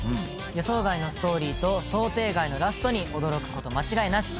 予想外のストーリーと想定外のラストに驚くこと間違いなし！